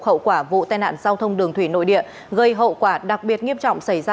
hậu quả vụ tai nạn giao thông đường thủy nội địa gây hậu quả đặc biệt nghiêm trọng xảy ra